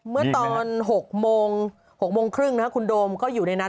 เมื่อตอน๖โมง๖โมงครึ่งคุณโดมก็อยู่ในนั้น